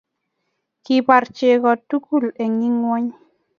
kibaar chego tugul ingweny